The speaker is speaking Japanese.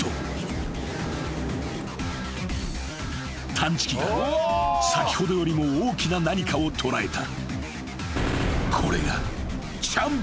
［探知機が先ほどよりも大きな何かを捉えた］